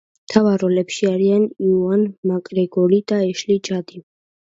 მთავარ როლებში არიან იუან მაკგრეგორი და ეშლი ჯადი.